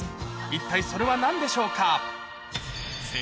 一体それはなんでしょうか。